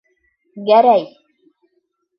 Гәрәй